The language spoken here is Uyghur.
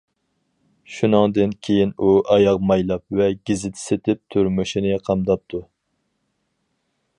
شۇنىڭدىن كېيىن ئۇ ئاياغ مايلاپ ۋە گېزىت سېتىپ تۇرمۇشىنى قامداپتۇ.